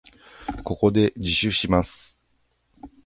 ここで自首します。